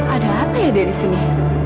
ada apa ya dari sini